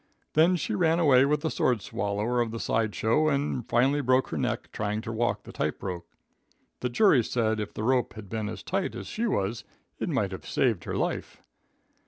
Then she ran away with the sword swallower of the side show, and finally broke her neck trying to walk the tight rope. The jury said if the rope had been as tight as she was it might have saved her life.